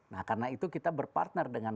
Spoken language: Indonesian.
nah karena itu kita berpartner dengan